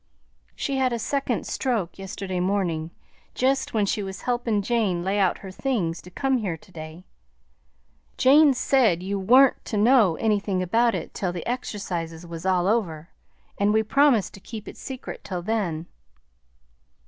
"She had a second stroke yesterday morning jest when she was helpin' Jane lay out her things to come here to day. Jane said you wan't to know anything about it till the exercises was all over, and we promised to keep it secret till then."